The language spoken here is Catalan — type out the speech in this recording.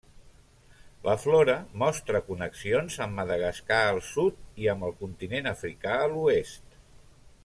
La flora mostra connexions amb Madagascar al sud i amb el continent africà a l'oest.